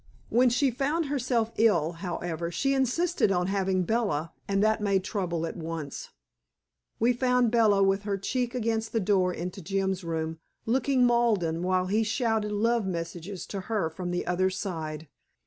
When she found herself ill, however, she insisted on having Bella, and that made trouble at once. We found Bella with her cheek against the door into Jim's room, looking maudlin while he shouted love messages to her from the other side.